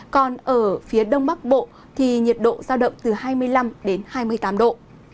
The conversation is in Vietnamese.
còn ở phía đông bắc bộ thì nhiệt độ giao động từ hai mươi năm đến hai mươi tám độ